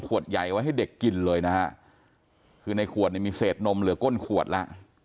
ใหญ่ไว้ให้เด็กกินเลยนะฮะคือในขวดเนี่ยมีเศษนมเหลือก้นขวดแล้ว